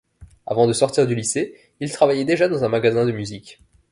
Avant de sortir du lycée, il travaillait déjà dans un magasin de musique.